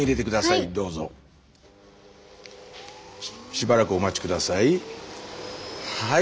しばらくお待ち下さい。